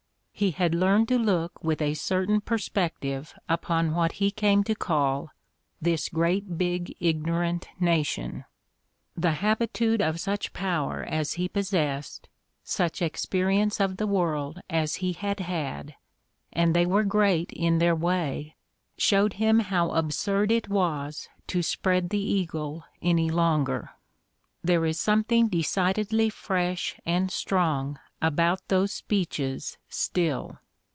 He had learned to look with a certain per spective upon what he came to call "this great big ignorant nation": the habitude of such power as he possessed, such experience of the world as he had had — and they were great in their way — showed him how absurd it was to spread the eagle any longer. There is something decidedly fresh and strong about those speeches still.